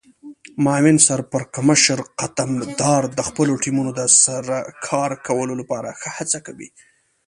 معاون سرپرکمشر قدمدار د خپلو ټیمونو د سره کار کولو لپاره ښه هڅه کوي.